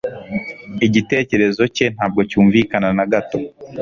Igitekerezo cye ntabwo cyumvikana na gato.